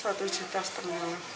satu juta setengah